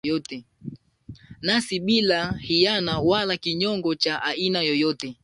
nasi bila hiyana wala kinyongo cha aina yoyote